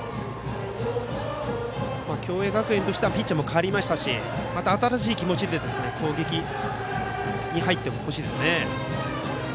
共栄学園としてはピッチャーも代わりましたしまた新しい気持ちで攻撃に入ってほしいですね。